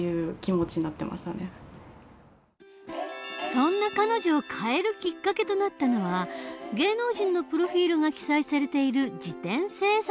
そんな彼女を変えるきっかけとなったのは芸能人のプロフィールが記載されている事典制作のアルバイト。